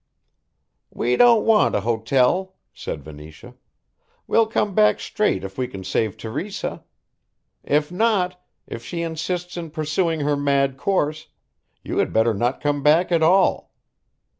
"We don't want an hotel," said Venetia, "we'll come back straight if we can save Teresa. If not, if she insists in pursuing her mad course, you had better not come back at all.